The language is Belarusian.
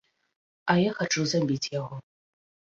А я хачу забіць яго.